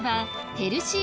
ヘルシー